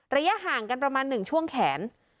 ระยะห่างกันประมาณ๑ช่วงแขน